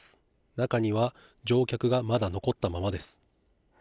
中には乗客がまだ残ったままです。